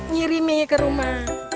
ngirimi ke rumah